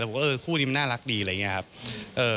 ว่าเออคู่นี้มันน่ารักดีอะไรอย่างนี้ครับ